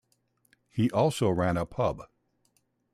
He also ran a pub.